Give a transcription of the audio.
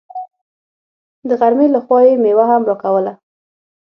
د غرمې له خوا يې مېوه هم راکوله.